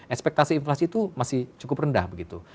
ekspektasi inflasi itu masih cukup rendah begitu